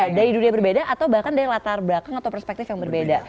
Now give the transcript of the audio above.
dari dunia berbeda atau bahkan dari latar belakang atau perspektif yang berbeda